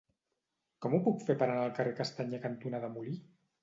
Com ho puc fer per anar al carrer Castanyer cantonada Molí?